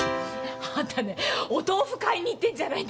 あんたねお豆腐買いに行ってんじゃないんだからさ。